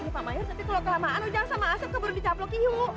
ini pak mayor tapi kalau kelamaan ujang sama asok keburu di caplok iyo